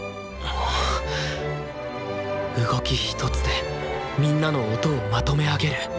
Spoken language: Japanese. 動き一つでみんなの音をまとめ上げる。